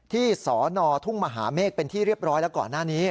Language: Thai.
สนทุ่งมหาเมฆเป็นที่เรียบร้อยแล้วก่อนหน้านี้